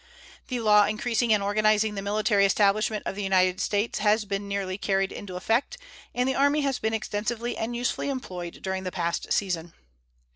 The law increasing and organizing the military establishment of the United States has been nearly carried into effect, and the Army has been extensively and usefully employed during the past season.